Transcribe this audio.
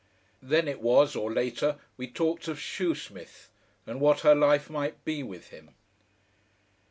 Then it was, or later, we talked of Shoesmith, and what her life might be with him.